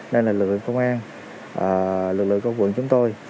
nên là lực lượng công an lực lượng công an quận chúng tôi